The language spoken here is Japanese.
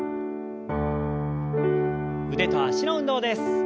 腕と脚の運動です。